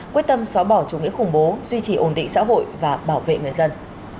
quyết tâm xóa bỏ chủ nghĩa khủng bố duy trì ổn định xã hội và bảo vệ người dân